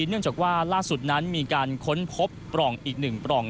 เนื่องจากว่าล่าสุดนั้นมีการค้นพบปล่องอีก๑ปล่อง